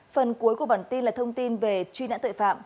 phần cuối của bản tin là thông tin về truy nã tội phạm